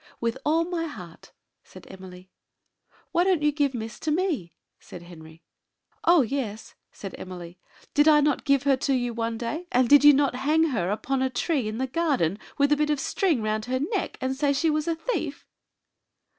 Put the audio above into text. "With all my heart," said Emily. "Why don't you give Miss to me?" said Henry. "Oh, yes!" said Emily. "Did I not give her to you one day; and did you not hang her upon a tree in the garden, with a bit of string round her neck, and say she was a thief?"